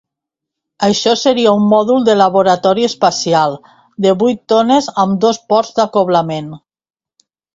Això seria un mòdul de laboratori espacial de vuit tones amb dos ports d'acoblament.